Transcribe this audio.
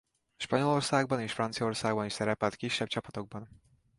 Spanyolországban és Franciaországban is szerepelt kisebb csapatokban.